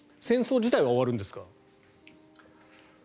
戦争自体は終わるんですか。